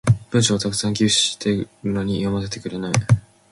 文章を沢山寄付してるのに読ませてくれない。